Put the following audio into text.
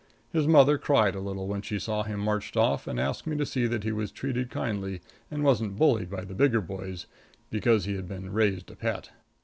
His mother cried a little when she saw him marched off, and asked me to see that he was treated kindly and wasn't bullied by the bigger boys, because he had been "raised a pet."